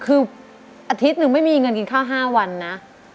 คืออาทิตย์หนึ่งไม่มีเงินกินข้าว๕วันนะ